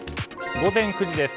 午前９時です。